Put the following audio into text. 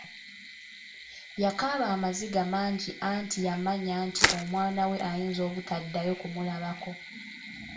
Yakaaba amaziga mangi anti yamanya nti omwana we ayinza obutaddayo kumulabako.